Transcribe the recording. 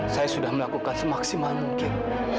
saya sudah melakukan semaksimal mungkin